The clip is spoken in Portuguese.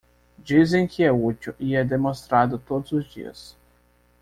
Dizem que é útil e é demonstrado todos os dias.